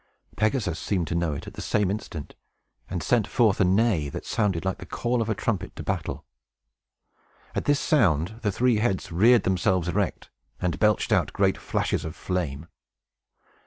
Pegasus seemed to know it, at the same instant, and sent forth a neigh, that sounded like the call of a trumpet to battle. At this sound the three heads reared themselves erect, and belched out great flashes of flame.